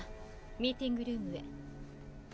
ミーティングルームへ。